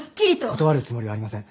断るつもりはありません。